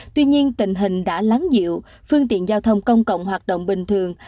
tuy nhiên tình hình đã lắng dịu phương tiện giao thông công cộng hoạt động bình thường